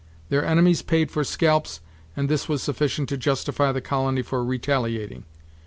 Their enemies paid for scalps, and this was sufficient to justify the colony for retaliating.